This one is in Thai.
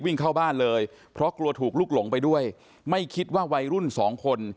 วิ่งเข้าบ้านเลยเพราะกลัวถูกลุกหลงไปด้วยไม่คิดว่าวัยรุ่นสองคน